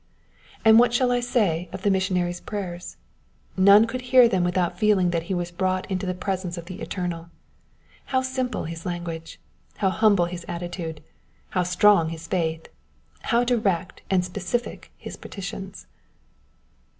And what shall I say of the missionary's prayers? None could hear them without feeling that he was brought into the presence of the Eternal. How simple his language! How humble his attitude! How strong his faith! How direct and specific his petitions!